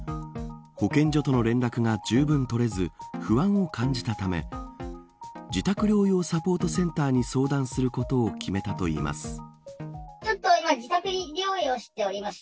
保健所との連絡がじゅうぶんとれず不安を感じたため自宅療養サポートセンターに相談することを決めたといいます。